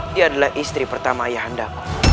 dia adalah istri pertama ayah anda